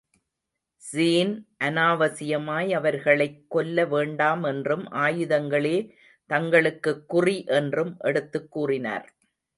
Sean அநாவசியமாய் அவர்களைக் கொல்ல வேண்டாம் என்றும் ஆயுதங்களே தங்களுக்குக் குறி என்றும் எடுத்துக் கூறினார்.